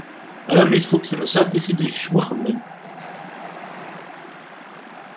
Alammi i tfuk temsalt i t-id-yekcem uxemmem.